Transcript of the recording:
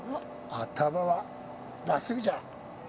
頭は真っすぐじゃ。